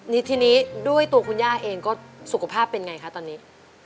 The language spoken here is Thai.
นี่ทีนี้ด้วยตัวคุณย่าเองก็สุขภาพเป็นไงคะตอนนี้